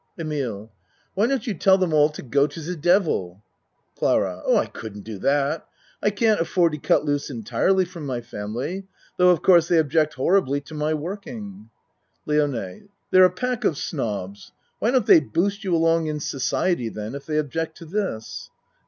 EMILE Why don't you tell them all to go to ze devil? CLARA Oh, I couldn't do that. I can't afford to cut loose entirely from my family tho' of course they object horribly to my working. LIONE They're a pack of snobs. Why don't they boost you along in society then, if they object to this?